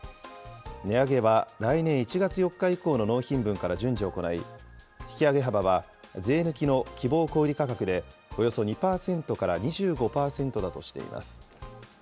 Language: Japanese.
値上げは来年１月４日以降の納品分から順次行い、引き上げ幅は、税抜きの希望小売価格で、およそ２％から２５％だとしています。